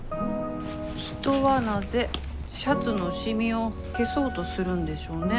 人はなぜシャツの染みを消そうとするんでしょうね。